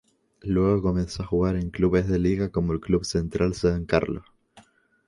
Luego comenzó a jugar en clubes de liga como el Club Central San Carlos.